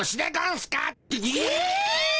え！